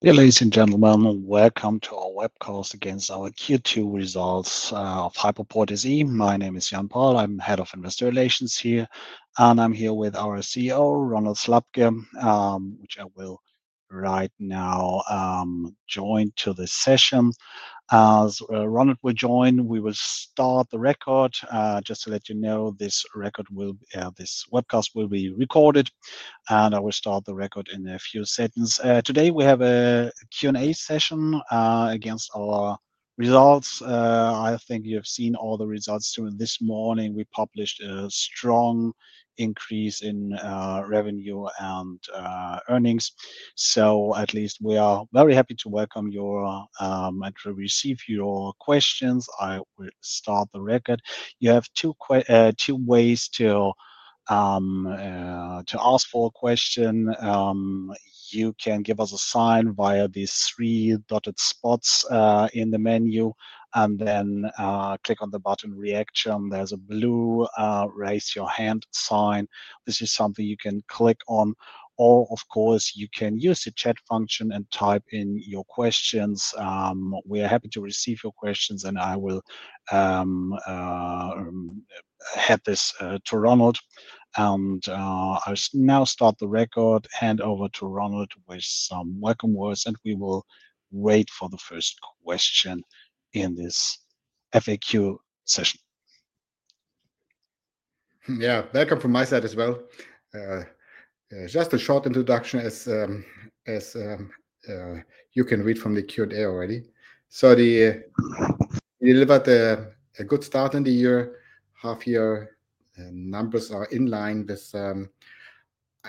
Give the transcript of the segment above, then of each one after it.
Ladies and gentlemen, welcome to our webcast against our Q2 results of Hypoport. My name is Jan Pahl. I'm Head of Investor Relations here, and I'm here with our CEO, Ronald Slabke, which I will right now join to the session. As Ronald will join, we will start the record. Just to let you know, this webcast will be recorded, and I will start the record in a few seconds. Today we have a Q&A session against our results. I think you have seen all the results through this morning. We published a strong increase in revenue and earnings, so at least we are very happy to welcome your and to receive your questions. I will start the record. You have two ways to ask for a question. You can give us a sign via these three dotted spots in the menu, and then click on the button reaction. There's a blue raise your hand sign. This is something you can click on, or of course you can use the chat function and type in your questions. We are happy to receive your questions, and I will head this to Ronald. I'll now start the record. Hand over to Ronald with some welcome words, and we will wait for the first question in this FAQ session. Yeah, welcome from my side as well. Just a short introduction, as you can read from the Q&A already. We delivered a good start in the year, half year, and numbers are in line with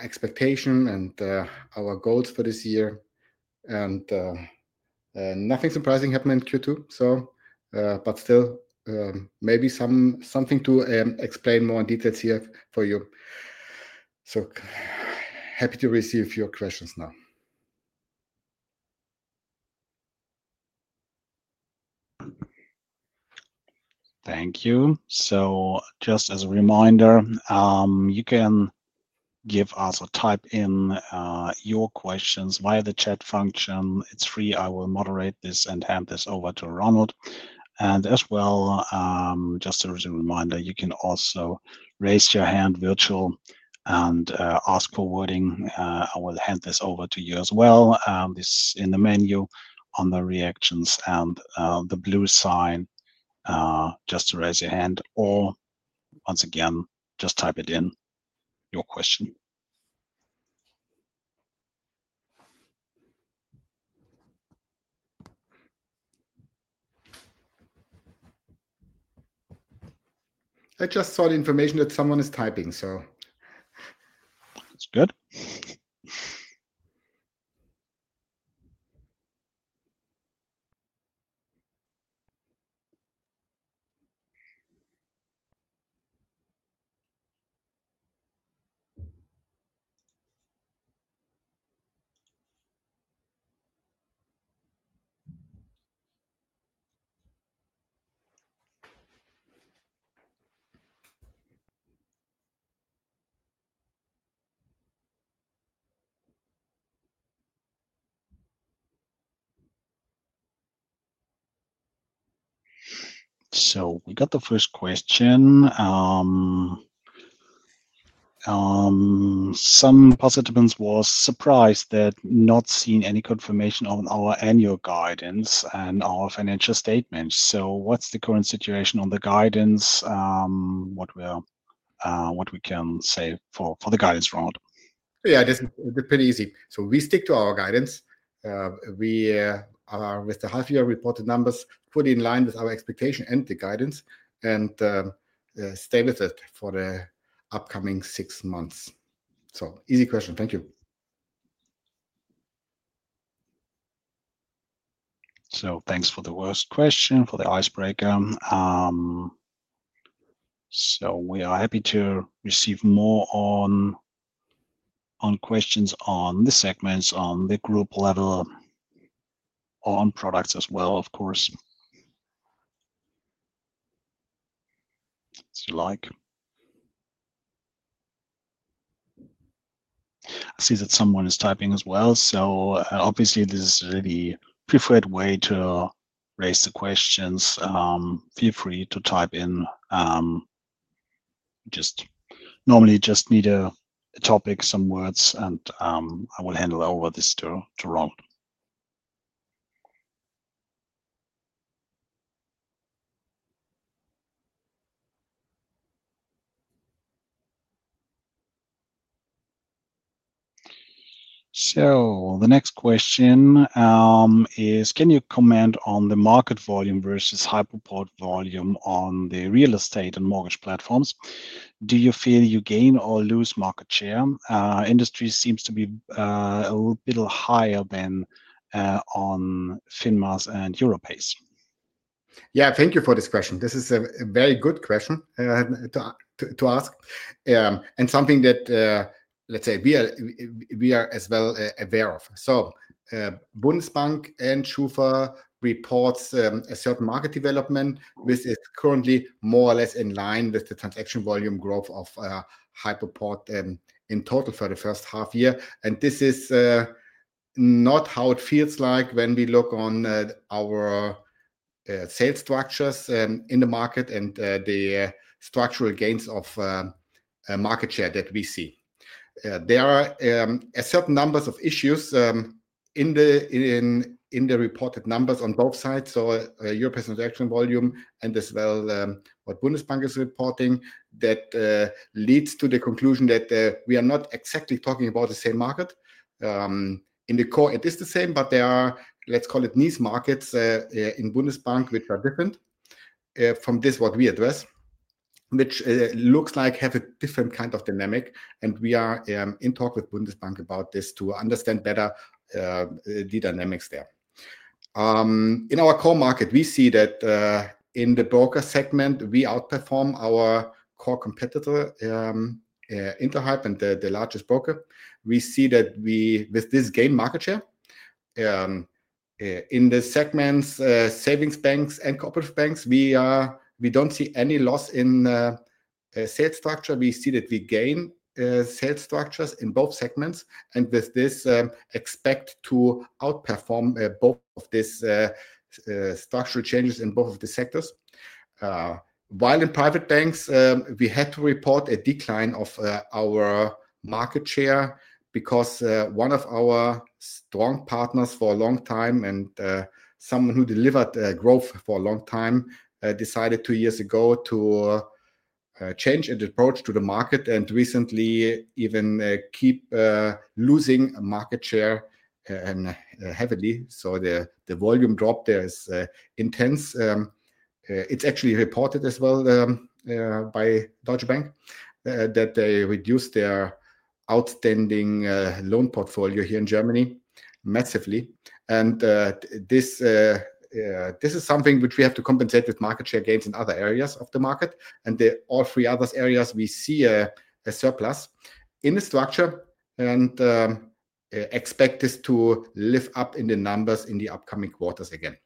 expectation and our goals for this year. Nothing surprising happened in Q2, maybe something to explain more in details here for you. Happy to receive your questions now. Thank you. Just as a reminder, you can give us or type in your questions via the chat function. It's free. I will moderate this and hand this over to Ronald. Also, just a reminder, you can raise your hand virtually and ask for wording. I will hand this over to you as well. This is in the menu on the reactions and the blue sign, just to raise your hand, or once again, just type in your question. I just saw the information that someone is typing. It's good. We got the first question. Some participants were surprised that not seeing any confirmation on our annual guidance in our financial statements. What's the current situation on the guidance? What can we say for the guidance, Ronald? Yeah, it's pretty easy. We stick to our guidance. We are with the half-year reported numbers fully in line with our expectation and the guidance, and stay with it for the upcoming six months. Easy question. Thank you. Thanks for the first question, for the icebreaker. We are happy to receive more questions on the segments, on the group level, on products as well, of course, as you like. I see that someone is typing as well. Obviously, this is the preferred way to raise the questions. Feel free to type in. Normally just need a topic, some words, and I will hand this over to Ronald. The next question is, can you comment on the market volume versus Hypoport volume on the real estate and mortgage platforms? Do you feel you gain or lose market share? Industry seems to be a little higher than on FINMAS and Europace. Yeah, thank you for this question. This is a very good question to ask. It's something that, let's say, we are as well aware of. Bundesbank and Schufa report a certain market development, which is currently more or less in line with the transaction volume growth of Hypoport in total for the first half year. This is not how it feels like when we look at our sales structures in the market and the structural gains of market share that we see. There are certain numbers of issues in the reported numbers on both sides. European transaction volume and as well what Bundesbank is reporting leads to the conclusion that we are not exactly talking about the same market. In the core, it is the same, but there are, let's call it, niche markets in Bundesbank which are different from this, what we address, which looks like have a different kind of dynamic. We are in talk with Bundesbank about this to understand better the dynamics there. In our core market, we see that in the broker segment, we outperform our core competitor, Interhyp, and the largest broker. We see that we, with this, gain market share in the segments, savings banks and corporate banks. We don't see any loss in sales structure. We see that we gain sales structures in both segments, and with this, expect to outperform both of these structural changes in both of the sectors. While in private banks, we had to report a decline of our market share because one of our strong partners for a long time and someone who delivered growth for a long time decided two years ago to change its approach to the market and recently even keep losing market share heavily. The volume drop there is intense. It's actually reported as well by Deutsche Bank that they reduced their outstanding loan portfolio here in Germany massively. This is something which we have to compensate with market share gains in other areas of the market. In all three other areas we see a surplus in the structure and expect this to live up in the numbers in the upcoming quarters again.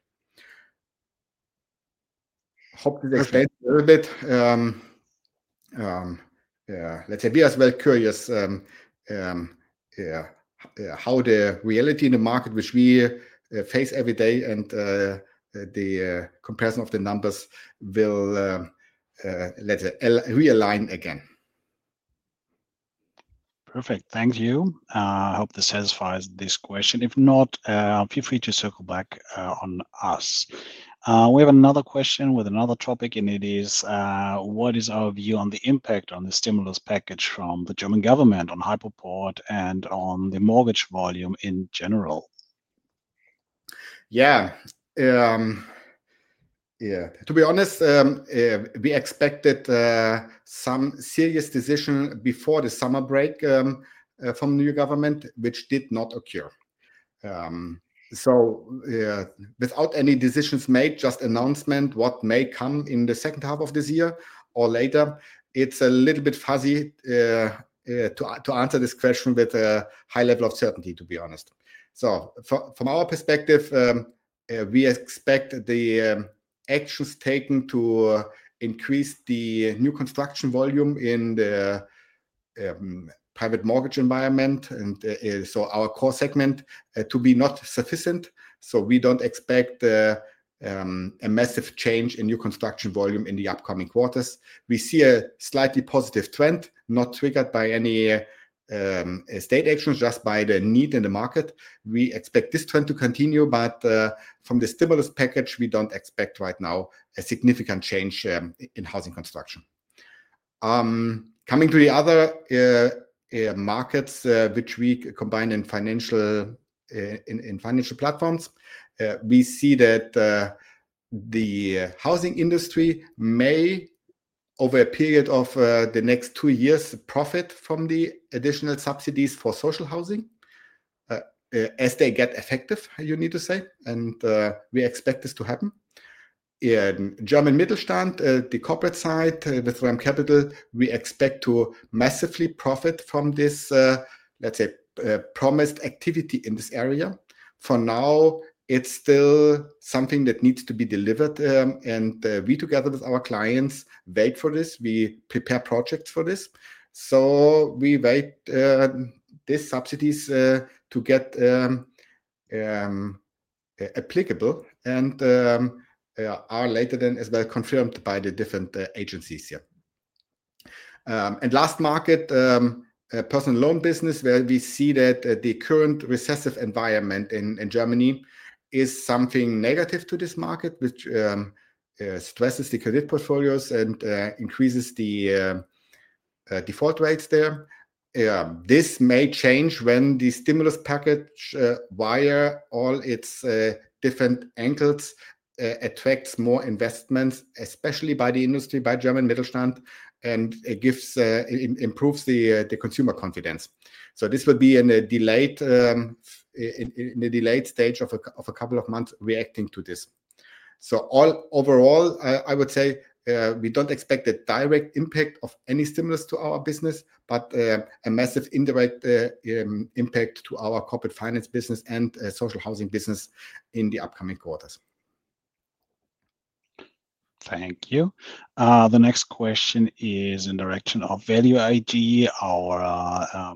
Hopefully, that explains a little bit. Let's say we are as well curious how the reality in the market, which we face every day, and the comparison of the numbers will let us realign again. Perfect. Thank you. I hope this satisfies this question. If not, feel free to circle back on us. We have another question with another topic, and it is, what is our view on the impact on the stimulus package from the German government on Hypoport and on the mortgage volume in general? Yeah. To be honest, we expected some serious decision before the summer break from the new government, which did not occur. Without any decisions made, just announcement what may come in the second half of this year or later, it's a little bit fuzzy to answer this question with a high level of certainty, to be honest. From our perspective, we expect the actions taken to increase the new construction volume in the private mortgage environment and our core segment to be not sufficient. We don't expect a massive change in new construction volume in the upcoming quarters. We see a slightly positive trend not triggered by any state actions, just by the need in the market. We expect this trend to continue, but from the stimulus package, we don't expect right now a significant change in housing construction. Coming to the other markets, which we combine in financial platforms, we see that the housing industry may, over a period of the next two years, profit from the additional subsidies for social housing as they get effective, you need to say. We expect this to happen. In German Mittelstand, the corporate side with RAM Capital, we expect to massively profit from this, let's say, promised activity in this area. For now, it's still something that needs to be delivered, and we together with our clients beg for this. We prepare projects for this. We wait these subsidies to get applicable and are later than as well confirmed by the different agencies here. Last market, personal loan business, where we see that the current recessive environment in Germany is something negative to this market, which stresses the credit portfolios and increases the default rates there. This may change when the stimulus package via all its different angles attracts more investments, especially by the industry, by German Mittelstand, and improves the consumer confidence. This would be in a delayed stage of a couple of months reacting to this. Overall, I would say we don't expect a direct impact of any stimulus to our business, but a massive indirect impact to our corporate finance business and social housing business in the upcoming quarters. Thank you. The next question is in the direction of Value AG, our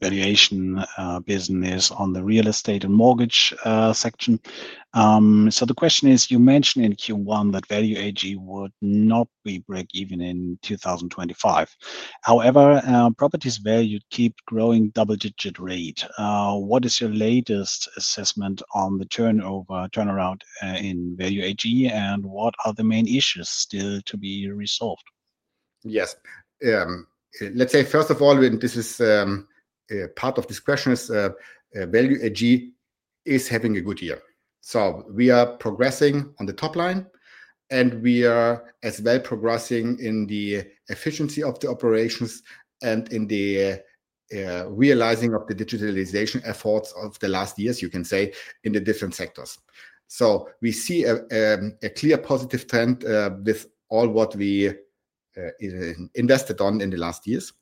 valuation business on the real estate and mortgage section. The question is, you mentioned in Q1 that Value AG would not be break even in 2025. However, properties' value keep growing at a double-digit rate. What is your latest assessment on the turnover turnaround in Value AG, and what are the main issues still to be resolved? Yes. First of all, and this is part of this question, Value AG is having a good year. We are progressing on the top line, and we are as well progressing in the efficiency of the operations and in the realizing of the digitalization efforts of the last years, you can say, in the different sectors. We see a clear positive trend with all what we invested on in the last years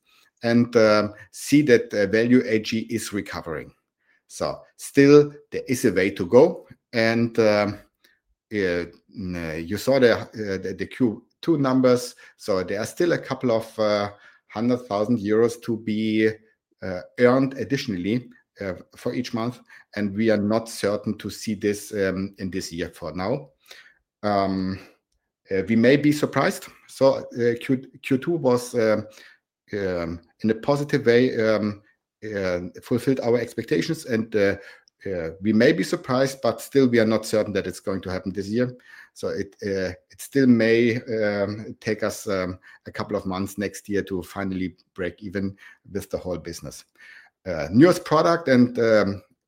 and see that Value AG is recovering. There is still a way to go. You saw the Q2 numbers. There are still a couple of 100,000 euros to be earned additionally for each month, and we are not certain to see this in this year for now. We may be surprised. Q2 was, in a positive way, fulfilled our expectations, and we may be surprised, but we are not certain that it's going to happen this year. It still may take us a couple of months next year to finally break even with the whole business. Newest product and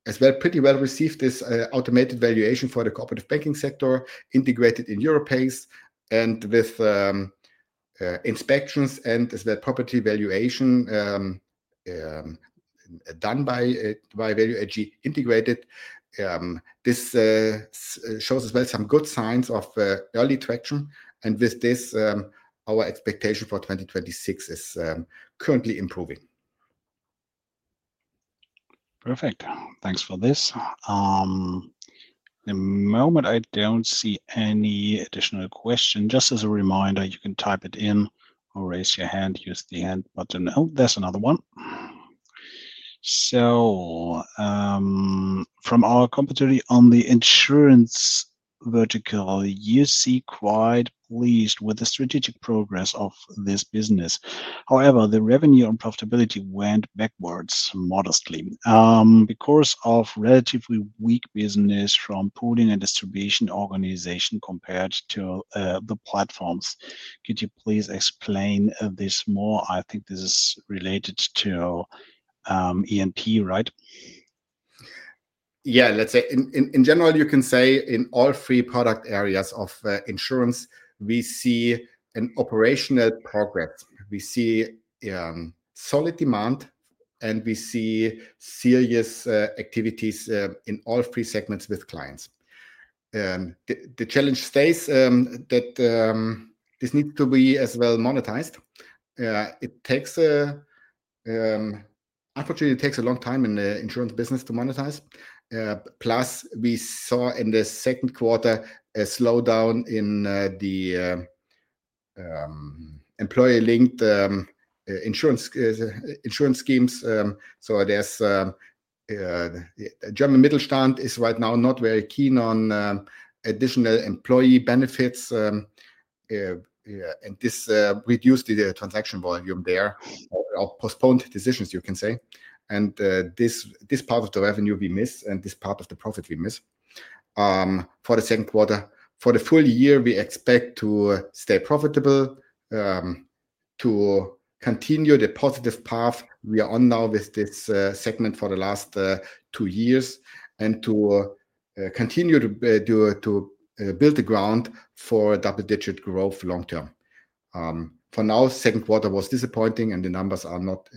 as well pretty well received is this automated valuation for the corporate bank segment integrated in Europace and with inspections and as well property valuation done by Value AG integrated. This shows as well some good signs of early traction, and with this, our expectation for 2026 is currently improving. Perfect. Thanks for this. At the moment I don't see any additional question. Just as a reminder, you can type it in or raise your hand, use the hand button. Oh, there's another one. From our competitor on the insurance vertical, you seem quite pleased with the strategic progress of this business. However, the revenue and profitability went backwards modestly because of relatively weak business from pooling and distribution organization compared to the platforms. Could you please explain this more? I think this is related to ENT, right? Yeah, let's say in general, you can say in all three product areas of insurance, we see operational progress. We see solid demand, and we see serious activities in all three segments with clients. The challenge stays that this needs to be as well monetized. Unfortunately, it takes a long time in the insurance business to monetize. Plus, we saw in the second quarter a slowdown in the employer-linked insurance schemes. The German Mittelstand is right now not very keen on additional employee benefits, and this reduced the transaction volume there, or postponed decisions, you can say. This part of the revenue we miss and this part of the profit we miss for the second quarter. For the full year, we expect to stay profitable, to continue the positive path we are on now with this segment for the last two years, and to continue to build the ground for double-digit growth long term. For now, the second quarter was disappointing, and the numbers are not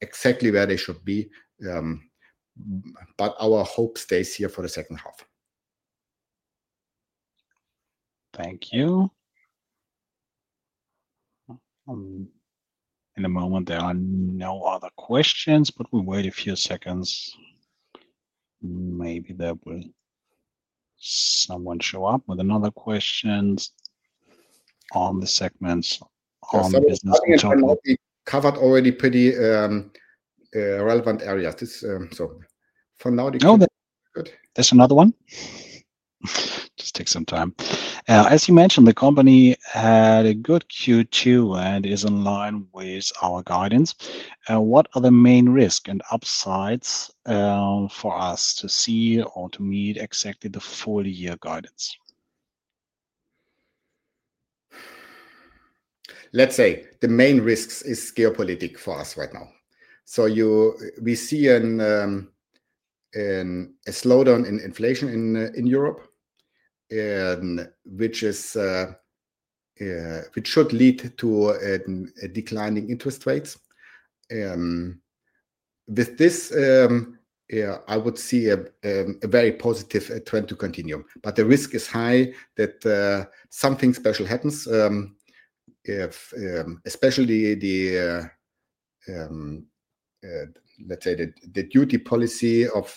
exactly where they should be, but our hope stays here for the second half. Thank you. At the moment, there are no other questions, but we'll wait a few seconds. Maybe someone will show up with another question on the segments or the business. I think we covered already pretty relevant areas. For now, there's another one. Just take some time. As you mentioned, the company had a good Q2 and is in line with our guidance. What are the main risks and upsides for us to see or to meet exactly the full-year guidance? Let's say the main risk is geopolitics for us right now. We see a slowdown in inflation in Europe, which should lead to declining interest rates. With this, I would see a very positive trend to continue. The risk is high that something special happens, especially the, let's say, the duty policy of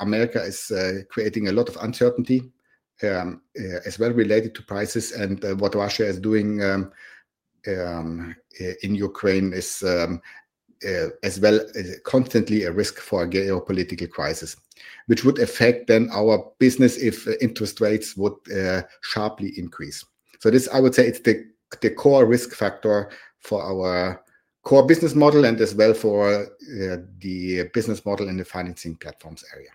America is creating a lot of uncertainty as well related to prices. What Russia is doing in Ukraine is as well constantly a risk for a geopolitical crisis, which would affect then our business if interest rates would sharply increase. This, I would say, is the core risk factor for our core business model and as well for the business model in the financing platforms area.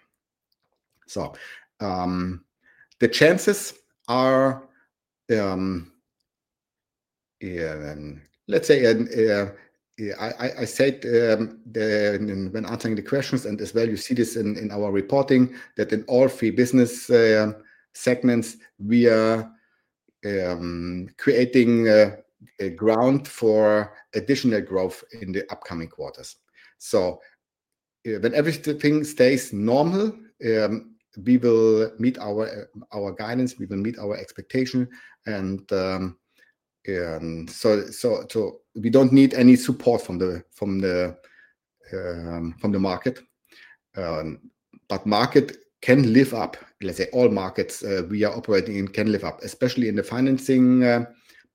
The chances are, let's say, I said when answering the questions, and as well, you see this in our reporting, that in all three business segments, we are creating a ground for additional growth in the upcoming quarters. When everything stays normal, we will meet our guidance, we will meet our expectation. We don't need any support from the market. Market can live up. Let's say all markets we are operating in can live up, especially in the financing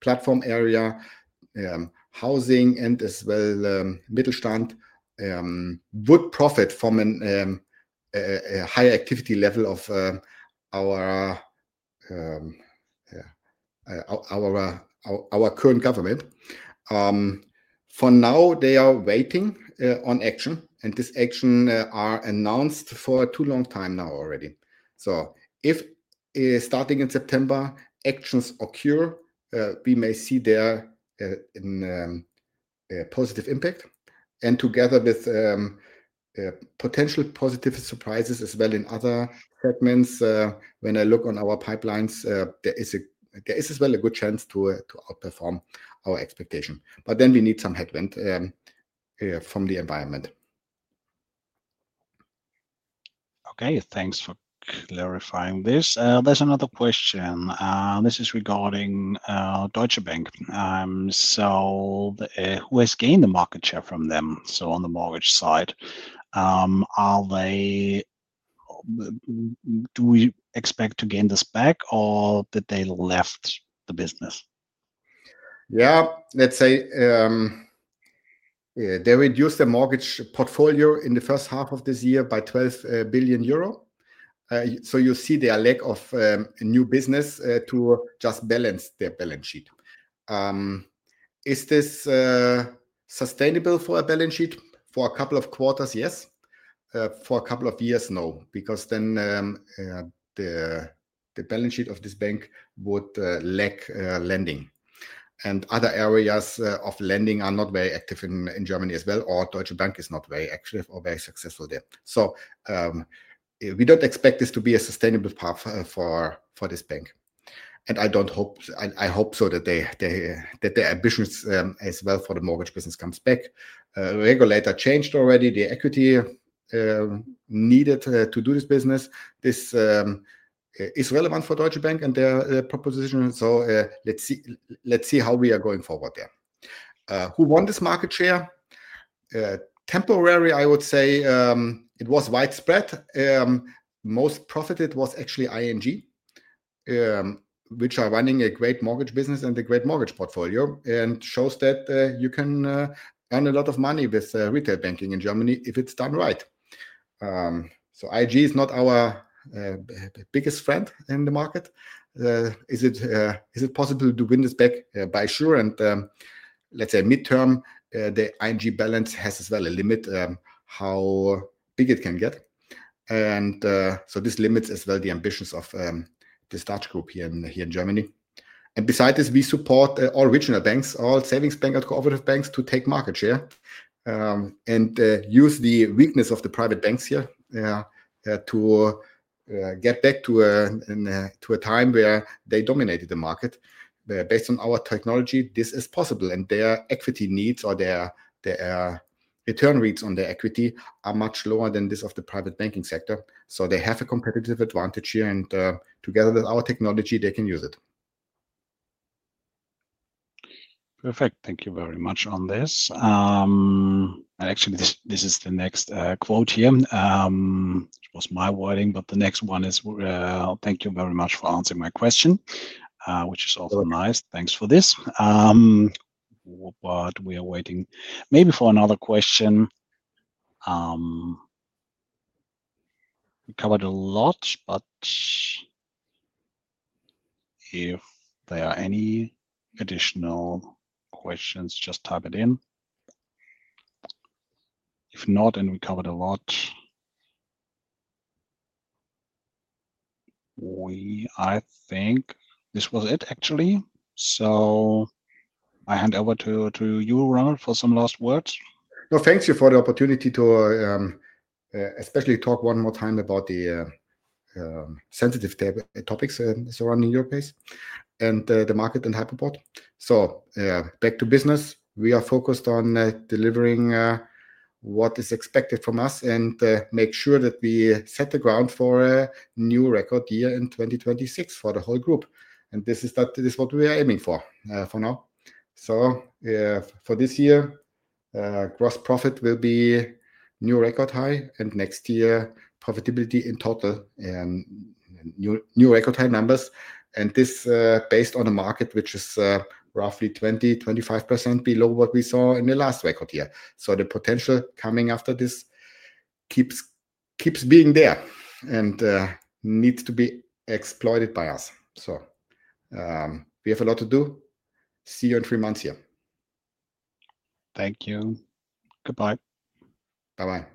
platform area. Housing and as well middle stand would profit from a higher activity level of our current government. For now, they are waiting on action, and this action is announced for a too long time now already. If starting in September, actions occur, we may see there a positive impact. Together with potential positive surprises as well in other segments, when I look on our pipelines, there is as well a good chance to outperform our expectation. We need some headwind from the environment. Okay. Thanks for clarifying this. There's another question. This is regarding Deutsche Bank. Who has gained the market share from them? On the mortgage side, do we expect to gain this back or did they leave the business? Yeah, let's say they reduced the mortgage portfolio in the first half of this year by 12 billion euro. You see their lack of new business to just balance their balance sheet. Is this sustainable for a balance sheet? For a couple of quarters, yes. For a couple of years, no, because then the balance sheet of this bank would lack lending. Other areas of lending are not very active in Germany as well, or Deutsche Bank is not very active or very successful there. We don't expect this to be a sustainable path for this bank. I hope that their ambitions as well for the mortgage business come back. Regulator changed already the equity needed to do this business. This is relevant for Deutsche Bank and their proposition. Let's see how we are going forward there. Who won this market share? Temporarily, I would say it was widespread. Most profited was actually ING, which are running a great mortgage business and a great mortgage portfolio and shows that you can earn a lot of money with retail banking in Germany if it's done right. ING is not our biggest friend in the market. Is it possible to win this back? By sure. Midterm, the ING balance has as well a limit how big it can get. This limits as well the ambitions of this Dutch group here in Germany. Besides this, we support all regional banks, all savings banks, and corporate banks to take market share and use the weakness of the private banks here to get back to a time where they dominated the market. Based on our technology, this is possible. Their equity needs or their return rates on their equity are much lower than this of the private banking sector. They have a competitive advantage here. Together with our technology, they can use it. Perfect. Thank you very much on this. Actually, this is the next quote here. It was my wording, but the next one is, "Thank you very much for answering my question," which is also nice. Thanks for this. We are waiting maybe for another question. We covered a lot. If there are any additional questions, just type it in. If not, and we covered a lot, I think this was it, actually. I hand over to you, Ronald, for some last words. No, thank you for the opportunity to especially talk one more time about the sensitive topics surrounding Europace and the market and Hypoport. Back to business. We are focused on delivering what is expected from us and make sure that we set the ground for a new record year in 2026 for the whole group. This is what we are aiming for for now. For this year, gross profit will be new record high, and next year, profitability in total and new record high numbers. This is based on a market which is roughly 20%-25% below what we saw in the last record year. The potential coming after this keeps being there and needs to be exploited by us. We have a lot to do. See you in three months here. Thank you. Goodbye. Bye-bye.